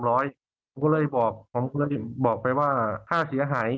ผมก็เลยบอกไปว่าค่าเสียหาย